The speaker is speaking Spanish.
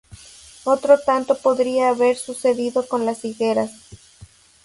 Otro tanto podría haber sucedido con las higueras.